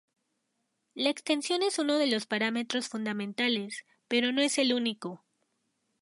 La extensión es uno de los parámetros fundamentales, pero no el único.